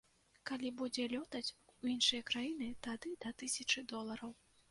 Калі будзеце лётаць у іншыя краіны, тады да тысячы долараў.